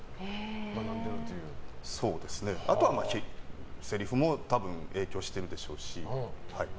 あとはせりふも影響してるでしょうし。